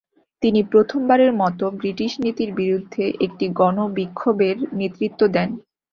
তিনি প্রথমবারের মত ব্রিটিশ নীতির বিরুদ্ধে একটি গণবিক্ষোভের নেতৃত্ব দেন।